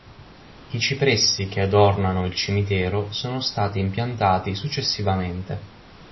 I cipressi che adornano il cimitero sono stati impiantati successivamente.